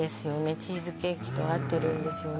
チーズケーキと合ってるんですよね